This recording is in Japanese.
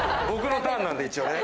僕のターンなんでね、一応。